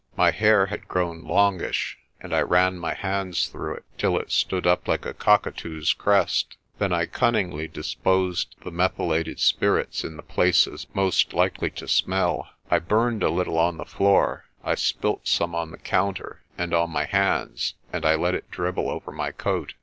My hair had grown longish, and I ran my hands through it till it stood up like a cockatoo's crest. Then I cunningly disposed the methylated spirits in the places most likely to smell. I burned a little on the floor, I spilt some on the counter and on my hands, and I let it dribble over my coat.